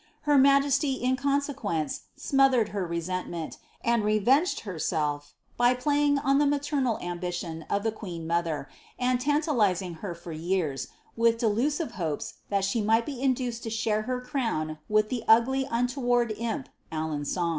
Her majesty in con sqpence sinothered her resentment, and revenged herself by playing on ■ maternal ambition of the queen mother, and tantah'zed her for years rik delusiTe hopes that she might be induced to share her crown with be ugly nntoMrard imp, AJen9on.